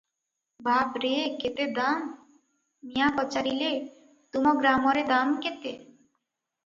ବାପରେ! କେତେ ଦାମ!" ମିଆଁ ପଚାରିଲେ ତୁମ ଗ୍ରାମରେ ଦାମ କେତେ?